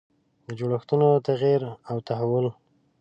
د جوړښتونو تغییر او تحول.